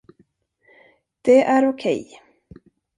Det är okej.